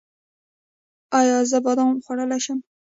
ایا زه بادام خوړلی شم؟